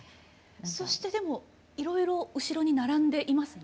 そしてでもいろいろ後ろに並んでいますね。